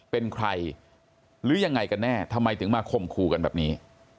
เป็นใครหรือยังไงกันแน่ทำไมถึงมาข่มขู่กันแบบนี้